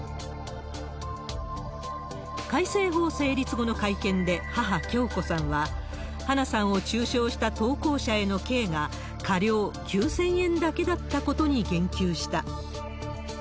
改正法成立後の会見で母、響子さんは、花さんを中傷した投稿者への刑が、科料９０００円だけだったことに言及した。